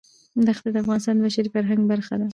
ښتې د افغانستان د بشري فرهنګ برخه ده.